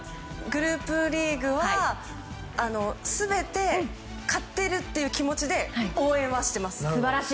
グループリーグは全て、勝てるという気持ちで応援はしています。